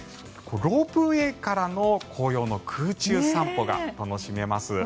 ロープウェーからの紅葉の空中散歩が楽しめます。